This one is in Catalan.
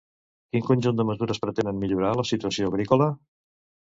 Quin conjunt de mesures pretenen millorar la situació agrícola?